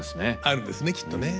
あるんですねきっとね。